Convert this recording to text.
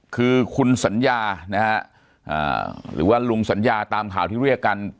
คือคุณสัญญานะฮะหรือว่าลุงสัญญาตามข่าวที่เรียกกัน